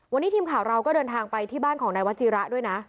วันนี้ทีมข่าวเราก็เดินทางไปที่บ้านของนายวจีระด้วยนะ